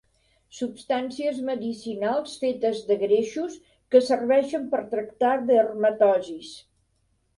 Substàncies medicinals fetes de greixos que serveixen per tractar dermatosis.